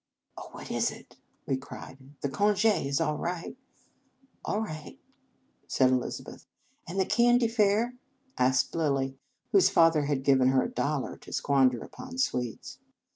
"Oh, what is it?" we cried. "The conge is all right ?"" All right," said Elizabeth. " And the candy fair? " asked Lilly, whose father had given her a dollar to squander upon sweets.